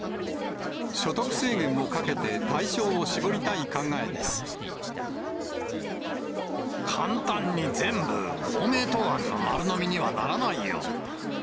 所得制限をかけて対象を絞り簡単に全部、公明党案の丸飲みにはならないよ。